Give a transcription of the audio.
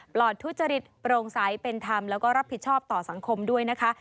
ลอดทุจริตโปร่งใสเป็นธรรมแล้วก็รับผิดชอบต่อสังคมด้วยนะคะ